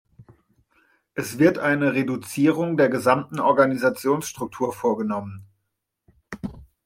Es wird eine Reduzierung der gesamten Organisationsstruktur vorgenommen.